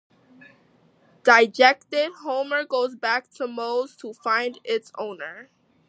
Dejected, Homer goes back to Moe's to find its owner.